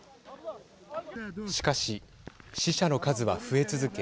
しかし死者の数は増え続け